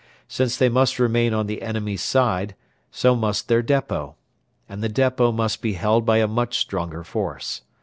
Since they must remain on the enemy's side, so must their depot; and the depot must be held by a much stronger force.